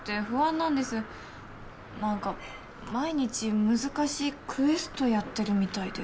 なんか毎日難しいクエストやってるみたいで。